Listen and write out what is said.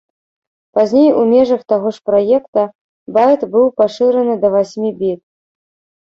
Пазней у межах таго ж праекта, байт быў пашыраны да васьмі біт.